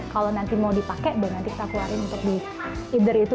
kalau nanti mau dipakai baru nanti kita keluarin untuk di either itu